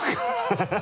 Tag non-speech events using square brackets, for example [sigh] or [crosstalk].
ハハハ [laughs]